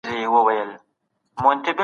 د عرضې او تقاضا تر منځ انډول وساتئ.